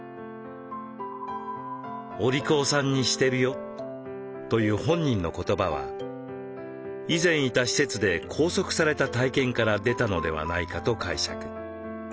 「おりこうさんにしてるよ」という本人の言葉は以前いた施設で拘束された体験から出たのではないかと解釈。